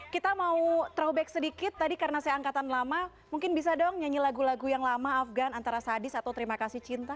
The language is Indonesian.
kita mau trowback sedikit tadi karena saya angkatan lama mungkin bisa dong nyanyi lagu lagu yang lama afgan antara sadis atau terima kasih cinta